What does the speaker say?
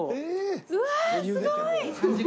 うわすごい！